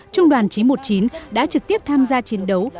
trung đoàn chín trăm một mươi chín đã trực tiếp tham gia chiến đấu